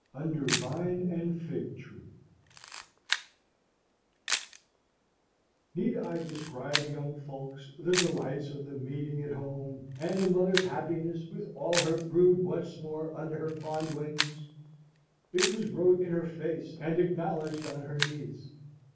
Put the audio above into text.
Under Vine and Fig Tree Need I describe, young folks, the delights of the meeting at home, and the mother's happiness with all her brood once more under her fond wings? It was wrote in her face, and acknowledged on her knees.